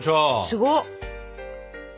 すごっ！